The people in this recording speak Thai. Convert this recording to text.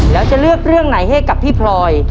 แล้วจะเลือกเรื่องไหนให้กับพี่พลอย